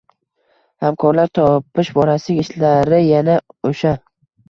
Hamkorlar topish borasidagi ishlari yana o’sha.